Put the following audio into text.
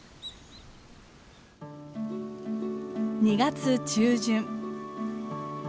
２月中旬。